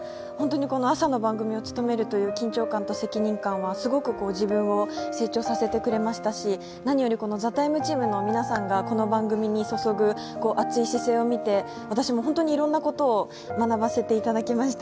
朝の番組を務めるという緊張感と責任感はすごく自分を成長させてくれましたし何より、この「ＴＨＥＴＩＭＥ，」チームの皆さんがこの番組に注ぐ熱い姿勢をみて私も本当にいろんなことを学ばせていただきました。